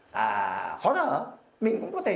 khó khăn hả mình cũng có thể